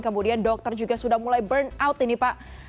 kemudian dokter juga sudah mulai burn out ini pak